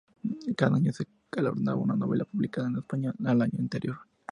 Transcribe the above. Cada año se galardona una novela publicada en español el año anterior.